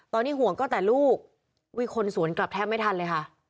ตอนนี้ห่วงก็แต่ลูกอุ้ยคนสวนกลับแทบไม่ทันเลยค่ะ